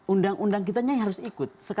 undang undang kita ini harus ikut